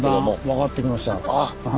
分かってきました。